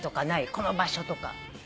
「この場所」とか。